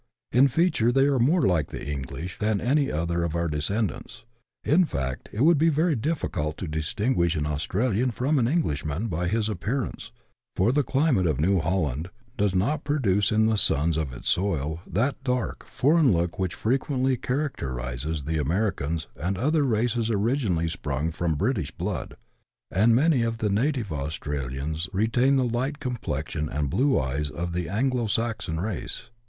In feature they are more like the English than any other of our descendants ; in fact it would be very difficult to distinguish an Australian from an Englishman by his appearance, for the climate of New Holland does not produce in the sons of its soil that dark, foreign look which frequently characterises the Americans and other races originally sprung from British blood, and many of the native Australians retain the light complexion and blue eyes of the Anglo Saxon race.